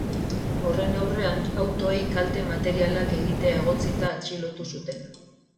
Horren aurrean, autoei kalte materialak egitea egotzita atxilotu zuten.